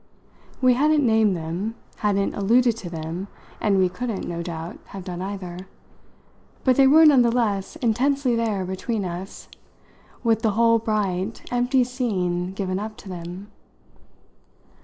We hadn't named them hadn't alluded to them, and we couldn't, no doubt, have done either; but they were none the less intensely there between us, with the whole bright, empty scene given up to them.